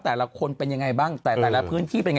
แต่ละคนเป็นยังไงบ้างแต่แต่ละพื้นที่เป็นไง